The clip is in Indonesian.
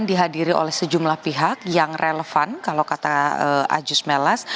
ini dihadirkan oleh sejumlah pihak yang relevan kalau kata a jusmelas